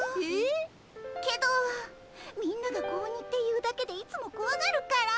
けどみんなが子鬼っていうだけでいつもこわがるから。